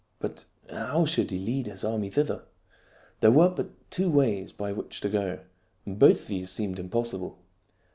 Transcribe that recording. But how should he lead his army thither ? There were but two ways by which to go, and both these seemed impossible.